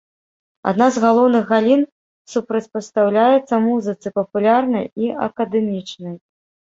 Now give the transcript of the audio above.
Адна з галоўных галін, супрацьпастаўляецца музыцы папулярнай і акадэмічнай.